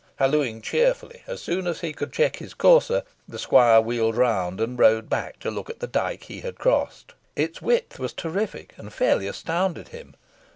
Hallooing cheerily, as soon as he could check his courser the squire wheeled round, and rode back to look at the dyke he had crossed. Its width was terrific, and fairly astounded him.